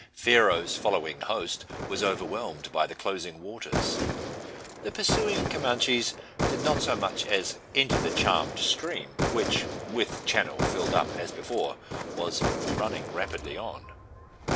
Pharaoh's following host was overwhelmed by the closing waters. The pursuing Comanches did not so much as enter the charmed stream; which, with channel filled up, as before, was running rapidly on.